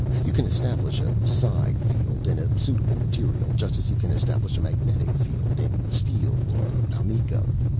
You can establish a psi field in a suitable material, just as you can establish a magnetic field in steel or alnico.